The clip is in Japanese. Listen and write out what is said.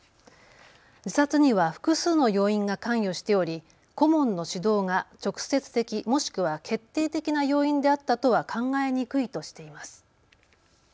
自殺には複数の要因が関与しており顧問の指導が直接的もしくは決定的な要因であったとは考えにくいとしています。